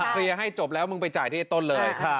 เคลียร์ให้จบแล้วมึงไปจ่ายที่ไอ้ต้นเลย